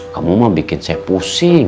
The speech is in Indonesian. kamu mau bikin saya pusing